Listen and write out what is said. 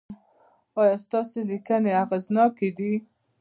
ایا ستاسو لیکنې اغیزناکې دي؟